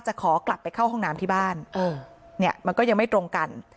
ขอกลับไปเข้าห้องน้ำที่บ้านเนี่ยมันก็ยังไม่ตรงกัน